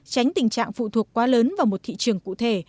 tránh tình trạng phụ thuộc quá lớn vào một thị trường cụ thể